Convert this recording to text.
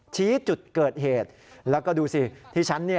ชี้จุดเกิดเหตุแล้วก็ดูสิที่ฉัน